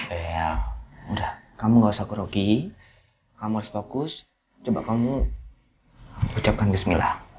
ya ya ya udah kamu gak usah kerugih kamu harus fokus coba kamu ucapkan bismillah